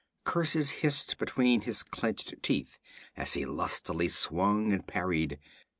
Curses hissed between his clenched teeth as he lustily swung and parried.